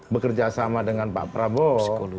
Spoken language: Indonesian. bekerjasama dengan pak prabowo